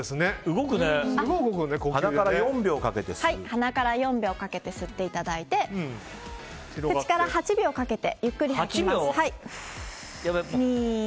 鼻から４秒かけて吸っていただいて口から８秒かけてゆっくり吐いていきます。